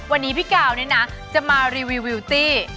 วันนี้พี่กาวนี่นะจะมารีวิวตี้